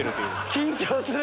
緊張する！